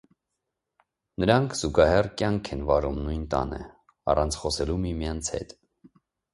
Նրանք զուգահեռ կյանք են վարում նույն տանը՝ առանց խոսելու միմյանց հետ։